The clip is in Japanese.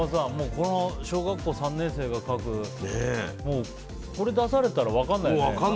この小学校３年生が書くこれ、出されたら分かんないもんね。